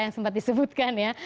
yang sempat disebutkan ya